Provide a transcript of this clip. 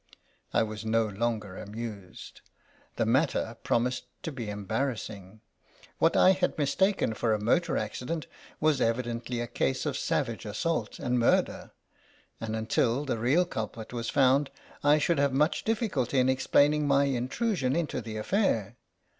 I was no longer amused. The matter promised to be embarrassing. What I had mistaken for a motor accident was evidently a case of savage assault and murder, and, until the real culprit was found, I should have much difficulty in explaining my intrusion into the affair.